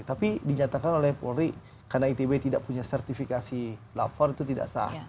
tapi dinyatakan oleh polri karena itb tidak punya sertifikasi lapor itu tidak sah